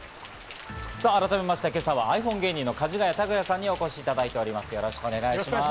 改めまして今朝はｉＰｈｏｎｅ芸人のかじがや卓哉さんにお越しいただいております。